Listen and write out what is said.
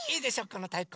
このたいこ。